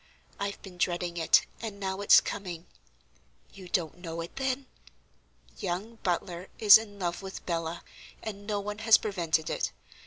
I've been dreading it, and now it's coming. You don't know it, then? Young Butler is in love with Bella, and no one has prevented it.